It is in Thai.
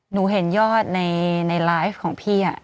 หนูเห็นยอดในไลฟ์ของพี่